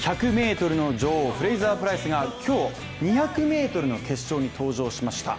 １００ｍの女王、フレイザー・プライスが今日、２００ｍの決勝に登場しました。